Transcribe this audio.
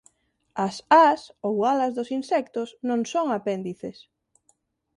As ás ou alas dos insectos non son apéndices.